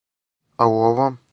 А у овом?